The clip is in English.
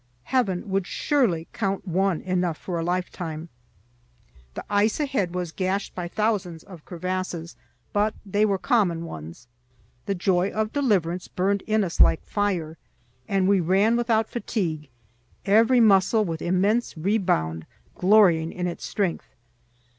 Heaven would surely count one enough for a lifetime. The ice ahead was gashed by thousands of crevasses, but they were common ones. The joy of deliverance burned in us like fire, and we ran without fatigue, every muscle with immense rebound glorying in its strength.